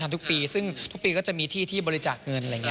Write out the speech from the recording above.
ทำทุกปีซึ่งทุกปีก็จะมีที่ที่บริจาคเงิน